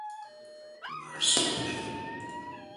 مرسوله